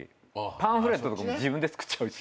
パンフレットとかも自分で作っちゃうし。